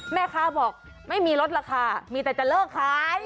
แม่ค้าบอกไม่มีลดราคามีแต่จะเลิกขาย